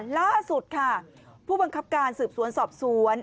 ล่าสุดค่ะผู้บังคับการสืบสวนสอบสวน